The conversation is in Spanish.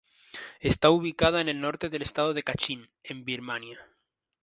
Está ubicada en el norte del estado de Kachin, en Birmania.